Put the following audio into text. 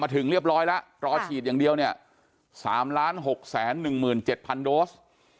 มาถึงเรียบร้อยแล้วตรอฉีดอย่างเดียวเนี่ยสามล้านหกแสนหนึ่งหมื่นเจ็ดพันโดส